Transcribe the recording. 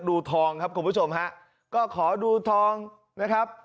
ดูทองครับคุณผู้ชมฮะก็ขอดูทองนะครับ